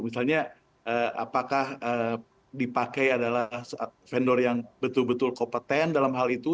misalnya apakah dipakai adalah vendor yang betul betul kompeten dalam hal itu